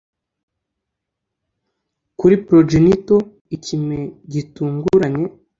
kuri progenital ikime-gitunguranye